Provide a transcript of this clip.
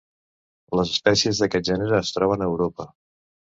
Les espècies d'aquest gènere es troben a Europa.